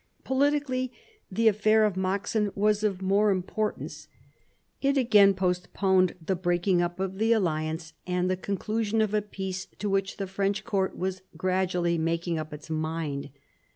Politically the affair of Maxen was of more import 1757 60 THE SEVEN YEARS 1 WAR 161 ance. It again postponed the breaking up of the alliance, and the conclusion of a peace to which the French court was gradually making up its mind.